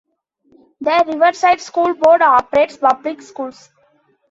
The Riverside School Board operates public schools.